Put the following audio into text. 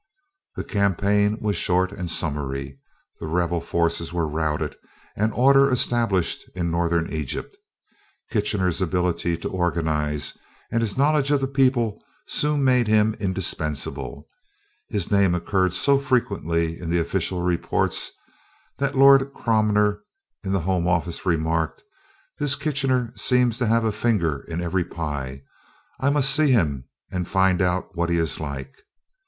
The campaign was short and summary. The rebel forces were routed and order established in northern Egypt. Kitchener's ability to organize, and his knowledge of the people soon made him indispensable. His name occurred so frequently in the official reports, that Lord Cromer, in the home office, remarked: "This Kitchener seems to have a finger in every pie. I must see him and find out what he is like."